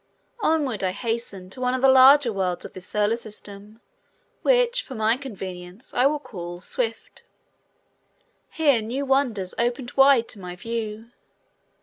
Onward I hastened to one of the larger worlds of this solar system which, for my convenience, I will call Swift. Here new wonders opened wide to my view.